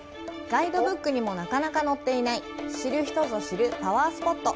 ガイドブックにもなかなか載っていない、知る人ぞ知るパワースポット！